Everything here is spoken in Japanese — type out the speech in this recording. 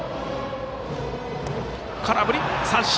空振り三振。